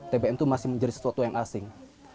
tbm itu masih menjadi sesuatu yang asing